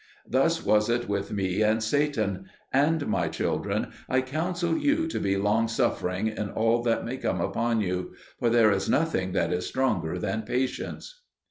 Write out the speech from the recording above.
Thus was it with me and Satan; and, my children, I counsel you to be long suffering in all that may come upon you; for there is nothing that is stronger than patience.